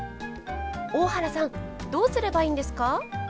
大原さんどうすればいいんですか？